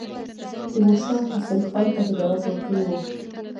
تیمورشاه حسین خان ته هدایت ورکړی وو.